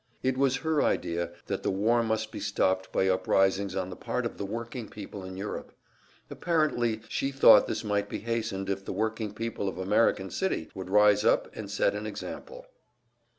It was her idea that the war must be stopped by uprisings on the part of the working people in Europe. Apparently she thought this might be hastened if the working people of American City would rise up and set an example!